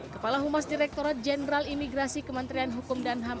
kepala humas direkturat jenderal imigrasi kementerian hukum dan ham